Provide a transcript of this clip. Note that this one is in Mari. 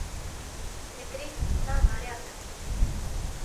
Метри, на, наряд.